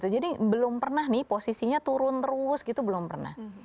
jadi belum pernah nih posisinya turun terus gitu belum pernah